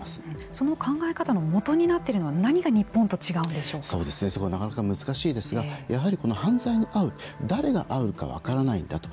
その考え方のもとになっているのはそこはなかなか難しいですがやはりこの犯罪に遭う誰が遭うか分からないんだと。